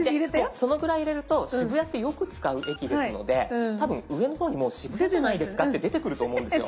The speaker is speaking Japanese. そのぐらい入れると渋谷ってよく使う駅ですので多分上の方にもう渋谷じゃないですかって出てくると思うんですよ。